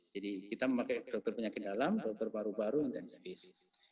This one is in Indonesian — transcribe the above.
jadi kita memakai dokter penyakit dalam dokter baru baru intensivist